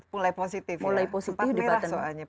mulai positif ya